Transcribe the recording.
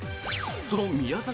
その宮崎